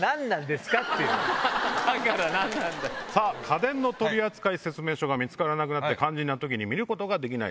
家電の取扱説明書が見つからなく肝心な時に見ることができない。